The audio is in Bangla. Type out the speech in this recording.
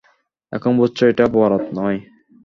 এখন বুঝছ, এটা বরাত নয়।